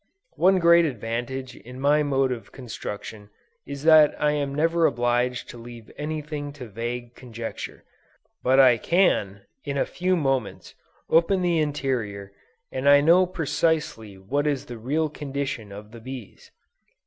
One great advantage in my mode of construction is that I am never obliged to leave anything to vague conjecture; but I can, in a few moments, open the interior, and know precisely what is the real condition of the bees.